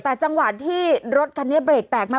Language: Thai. แต่จังหวะที่รถคันนี้เบรกแตกมา